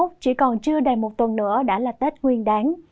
chỉ còn chưa đầy một tuần nữa đã là tết nguyên đáng